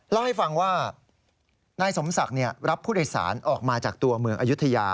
เล่าให้ฟังว่านายสมศักดิ์รับผู้โดยสารออกมาจากตัวเมืองอายุทยา